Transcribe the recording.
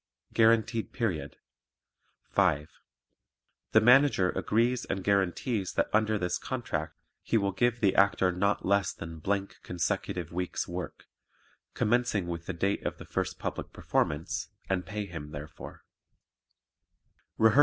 Guaranteed Period 5. The Manager agrees and guarantees that under this contract he will give the Actor not less than consecutive weeks' work, commencing with the date of the first public performance, and pay him therefor.